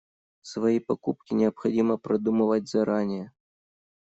Свои покупки необходимо продумывать заранее.